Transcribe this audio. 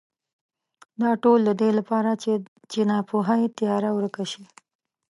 دا ټول د دې لپاره چې ناپوهۍ تیاره ورکه شي.